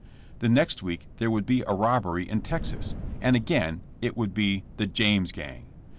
The next week there would be a rob bery in Texas, and again it would be the "James Gang.'